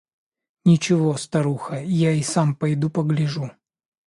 – «Ничего, старуха, я и сам пойду погляжу».